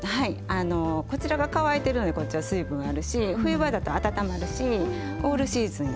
あのこちらが乾いてるのでこっちは水分あるし冬場だと温まるしオールシーズン